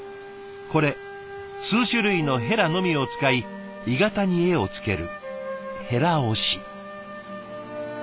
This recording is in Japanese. これ数種類の箆のみを使い鋳型に絵をつける箆押し。